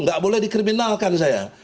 tidak boleh dikriminalkan saya